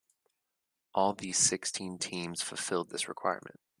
All these sixteen teams fulfilled this requirement.